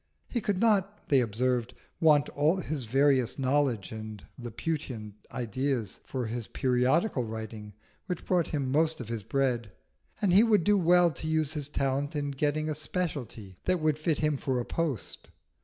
He could not, they observed, want all his various knowledge and Laputan ideas for his periodical writing which brought him most of his bread, and he would do well to use his talents in getting a speciality that would fit him for a post.